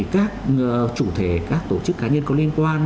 các chủ thể các tổ chức cá nhân có liên quan